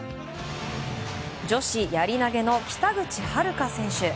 女子やり投げの北口榛花選手。